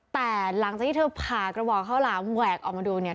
แต่หลังจากที่เธอผ่ากระบอกข้าวหลามแหวกออกมาดูเนี่ย